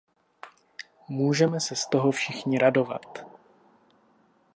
Můžeme se z toho všichni radovat.